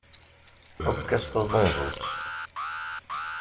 Ḥukk-as taẓunẓut!